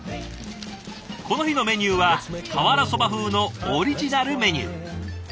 この日のメニューは瓦そば風のオリジナルメニュー。